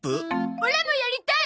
オラもやりたい！